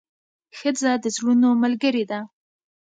ښځه د زړونو ملګرې ده.